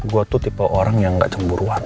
gue tuh tipe orang yang gak cemburuan